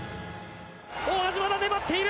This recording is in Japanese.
大橋、まだ粘っている！